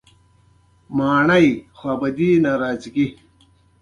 ما یوه بله غټه ګوله له یوې ټوټې پنیر سره راپورته کړل.